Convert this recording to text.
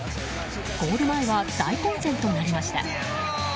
ゴール前は大混戦となりました。